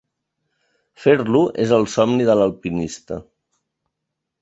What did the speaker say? Fer-lo és el somni de l'alpinista.